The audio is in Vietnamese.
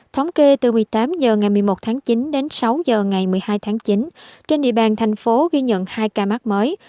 thống kê từ một mươi tám h ngày một mươi một tháng chín đến sáu h ngày một mươi hai tháng chín trên địa bàn thành phố ghi nhận hai ca mắc mới